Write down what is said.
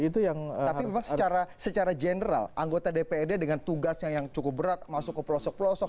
tapi memang secara general anggota dprd dengan tugasnya yang cukup berat masuk ke pelosok pelosok